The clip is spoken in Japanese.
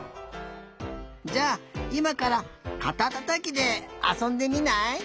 じゃあいまからかたたたきであそんでみない？